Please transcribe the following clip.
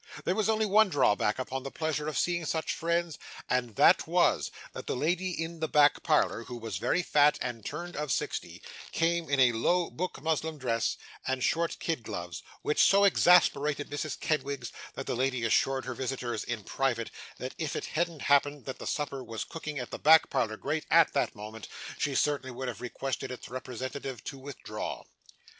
There was only one drawback upon the pleasure of seeing such friends, and that was, that the lady in the back parlour, who was very fat, and turned of sixty, came in a low book muslin dress and short kid gloves, which so exasperated Mrs Kenwigs, that that lady assured her visitors, in private, that if it hadn't happened that the supper was cooking at the back parlour grate at that moment, she certainly would have requested its representative to withdraw.